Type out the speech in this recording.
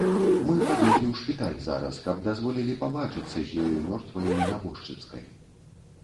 Мы пабеглі ў шпіталь зараз, каб дазволілі пабачыцца з ёю мёртваю, у нябожчыцкай.